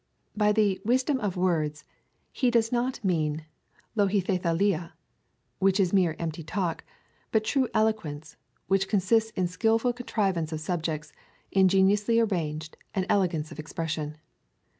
By the wisdom of words, he does not mean \ojoBat8a\ia,^ which is mere empty talk, but true eloquence, which consists in skilful contrivance of subjects, ingenious arrangement, and elegance of expression.